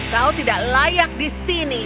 kau tidak layak di sini